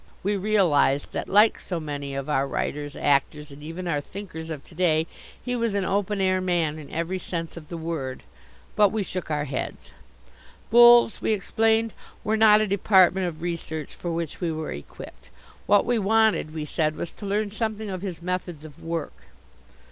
We realized that like so many of our writers, actors, and even our thinkers, of to day, he was an open air man in every sense of the word. But we shook our heads. Bulls, we explained, were not a department of research for which we were equipped. What we wanted, we said, was to learn something of his methods of work.